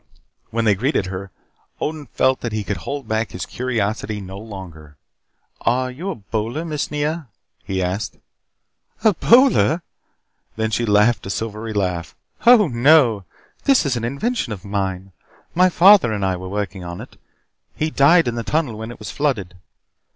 When they greeted her, Odin felt that he could hold back his curiosity no longer. "Are you a bowler, Miss Nea?" he asked. "A bowler!" Then she laughed a silvery laugh. "Oh, no. This is an invention of mine. My father and I were working on it. He died in the tunnel when it was flooded."